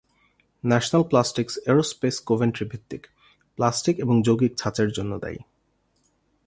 National plastics aerospace Coventry ভিত্তিক, plastic এবং যৌগিক ছাঁচের জন্য দায়ী।